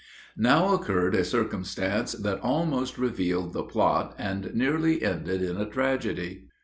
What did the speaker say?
Now occurred a circumstance that almost revealed the plot and nearly ended in a tragedy.